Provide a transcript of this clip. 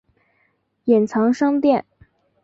隐藏商店